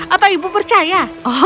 apa ibu percaya